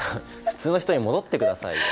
普通の人に戻ってくださいよ。